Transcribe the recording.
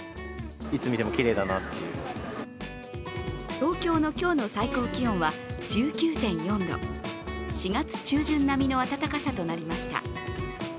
東京の今日の最高気温は１９．４度、４月中旬並みの暖かさとなりました。